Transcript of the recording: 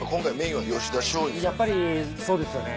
やっぱりそうですよね。